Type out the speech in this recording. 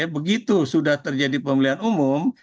begitu sudah terjadi pemilihan umum